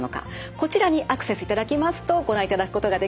こちらにアクセスいただきますとご覧いただくことができます。